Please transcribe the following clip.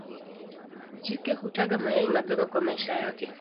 Jike hutaga mayai mapema kwa maisha yake.